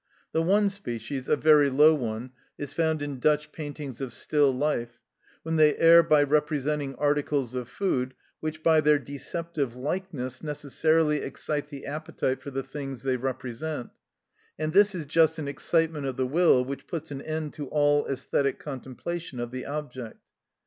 The one species, a very low one, is found in Dutch paintings of still life, when they err by representing articles of food, which by their deceptive likeness necessarily excite the appetite for the things they represent, and this is just an excitement of the will, which puts an end to all æsthetic contemplation of the object.